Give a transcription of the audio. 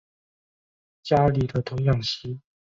家里的童养媳